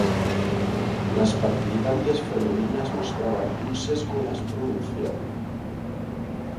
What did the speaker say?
Las participantes femeninas mostraban un sesgo más pronunciado.